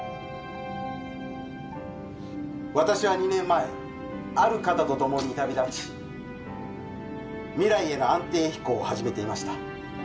私は２年前ある方と共に旅立ち未来への安定飛行を始めていました。